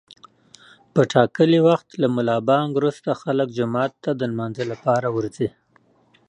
په ټاکلي وخت له ملابانګ روسته خلک جومات ته د لمانځه لپاره ورځي.